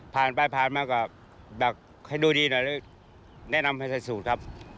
ผ่านไปผ่านมาก็แบบให้ดูดีหน่อยแล้วแนะนำให้ใส่สูตรครับ